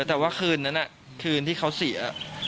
แต่ว่าคืนนั้นคืนที่เขาเสีย